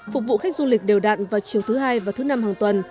phục vụ khách du lịch đều đạn vào chiều thứ hai và thứ năm hàng tuần